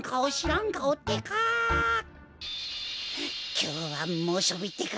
きょうはもうしょびってか。